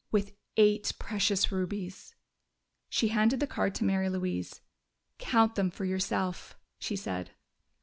"With eight precious rubies!" She handed the card to Mary Louise. "Count them for yourself!" she said.